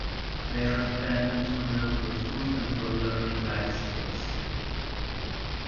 They are dependent on them for food and for learning life skills.